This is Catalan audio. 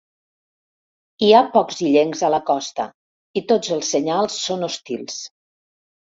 Hi ha pocs illencs a la costa i tots els senyals són hostils.